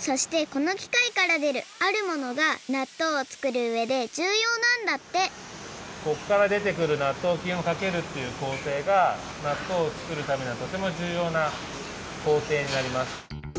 そしてこのきかいからでるあるものがなっとうをつくるうえでじゅうようなんだってこっからでてくるなっとうきんをかけるっていうこうていがなっとうをつくるためのとてもじゅうようなこうていになります。